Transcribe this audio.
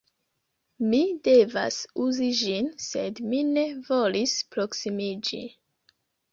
Mi devas uzi ĝin sed mi ne volis proksimiĝi